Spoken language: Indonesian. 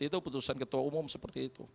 itu putusan ketua umum seperti itu